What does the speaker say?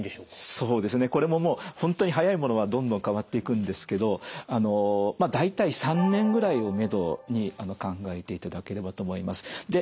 そうですねこれももう本当に早いものはどんどん変わっていくんですけどまあ大体３年ぐらいを目処に考えていただければと思います。